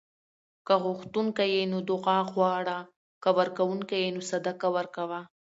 که غوښتونکی یې نو دعا غواړه؛ که ورکونکی یې نو صدقه ورکوه